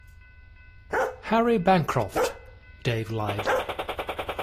Harry Bancroft, Dave lied.